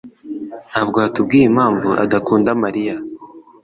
Ntabwo watubwiye impamvu adakunda Mariya.